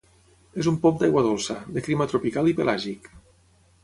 És un pop d'aigua dolça, de clima tropical i pelàgic.